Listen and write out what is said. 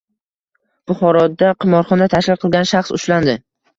Buxoroda qimorxona tashkil qilgan shaxs ushlandi